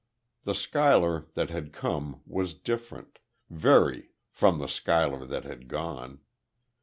The Schuyler that had come was different, very, from the Schuyler that had gone.